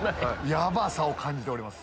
ヤバさを感じております。